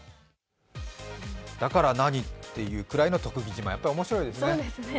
だから何っていうくらいの特技自慢、面白いですね。